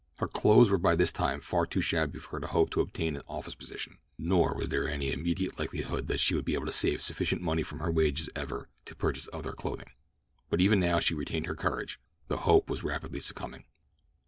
Her clothes were by this time far too shabby for her to hope to obtain an office position; nor was there any immediate likelihood that she would be able to save sufficient money from her wages ever to purchase other clothing. But even now she retained her courage, though hope was rapidly succumbing.